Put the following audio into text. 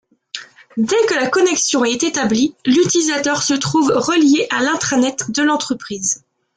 Dès que la connexion est établie, l'utilisateur se trouve relié à l'Intranet de l'entreprise.